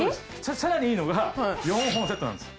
さらにいいのが４本セットなんです。